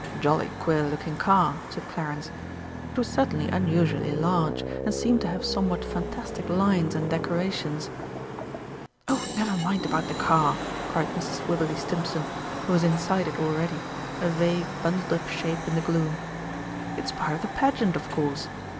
"Jolly queer looking car," said Clarence. It was certainly unusually large, and seemed to have somewhat fantastic lines and decorations. "Oh, never mind about the car!" cried Mrs. Wibberley Stimpson, who was inside it already, a vague, bundled up shape in the gloom. "It's part of the Pageant, of course!